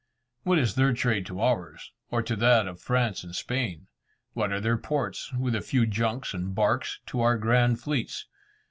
What is their trade to ours, or to that of France and Spain? What are their ports, with a few junks and barks, to our grand fleets?